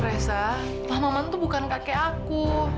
tante fresa pah maman tuh bukan kakek aku